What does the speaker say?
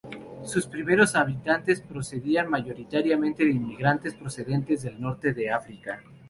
Sus primeros habitantes procedían mayoritariamente de inmigrantes procedentes del norte de África.